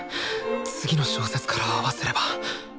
次の小節から合わせれば。